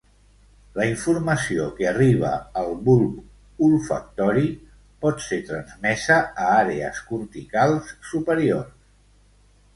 La informació que arriba al bulb olfactori pot ser transmesa a àrees corticals superiors